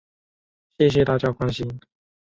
谢谢大家关心